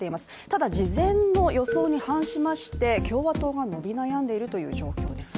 ただ、事前の予想に反しまして共和党が伸び悩んでいるという状況です。